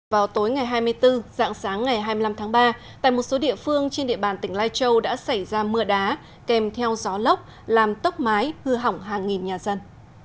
vào tối ngày hai mươi bốn dạng sáng ngày hai mươi năm tháng ba tại một số địa phương trên địa bàn tỉnh lai châu đã xảy ra mưa đá kèm theo gió lốc làm tốc mái hư hỏng hàng nghìn nhà dân